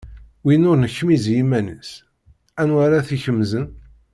Win ur nekmiz i yiman-is, anwa ara as-ikemzen.